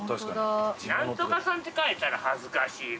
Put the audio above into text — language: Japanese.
何とか産って書いたら恥ずかしい。